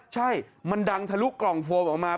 ใช่มันดังทะลุกล่องโฟมออกมา